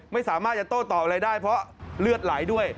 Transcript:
ไม่สามารถจะโต้ตอบอะไรได้เพราะเลือดไหลด้วย